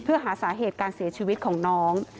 เพื่อหาสาเหตุการเสียชีวิตของน้อง